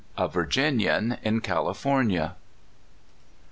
A VIRGINIAN IN CALIFOENIA.